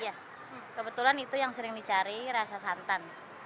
iya kebetulan itu yang sering dicari rasa santan